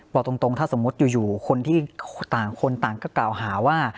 บอกตรงถ้าสมมุติอยู่คนที่ต่างคนต่างก็กล่าวหาว่า